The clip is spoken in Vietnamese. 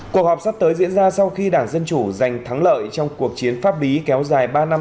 cuộc họp sắp tới diễn ra sau khi đảng dân chủ giành thắng lợi trong cuộc chiến pháp lý kéo dài ba năm